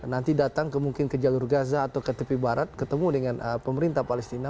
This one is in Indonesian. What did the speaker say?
nanti datang ke mungkin ke jalur gaza atau ke tepi barat ketemu dengan pemerintah palestina